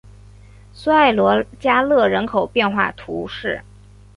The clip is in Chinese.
苏埃罗加勒人口变化图示